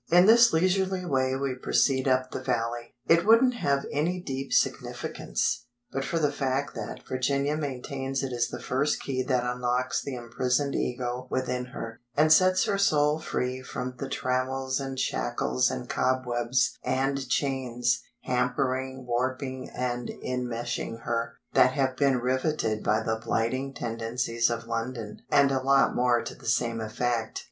In this leisurely way we proceed up the Valley. It wouldn't have any deep significance, but for the fact that Virginia maintains it is the first key that unlocks the imprisoned Ego within her, and sets her soul free from the trammels and shackles and cobwebs and chains, hampering, warping, and enmeshing her, that have been riveted by the blighting tendencies of London (and a lot more to the same effect).